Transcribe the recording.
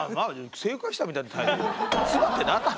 正解したみたいな態度。